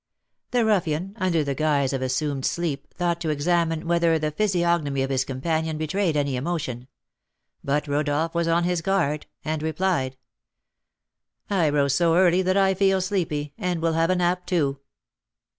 The ruffian, under the guise of assumed sleep, thought to examine whether the physiognomy of his companion betrayed any emotion; but Rodolph was on his guard, and replied: "I rose so early that I feel sleepy, and will have a nap, too."